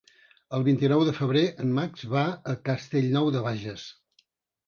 El vint-i-nou de febrer en Max va a Castellnou de Bages.